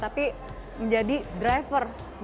tapi menjadi driver dari transaksi